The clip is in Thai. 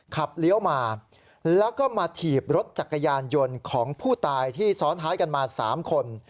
เลี้ยวมาแล้วก็มาถีบรถจักรยานยนต์ของผู้ตายที่ซ้อนท้ายกันมา๓คน